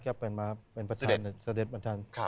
ก็เป็นมาเป็นเมิดทาง